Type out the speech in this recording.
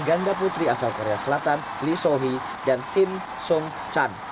ganda putri asal korea selatan lee sohee dan shin song chan